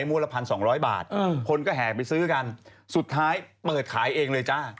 งวดละพันสองร้อยบาทคนก็แห่ไปซื้อกันสุดท้ายเปิดขายเองเลยจ้า